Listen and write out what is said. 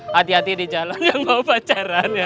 hati hati di jalan yang mau pacaran ya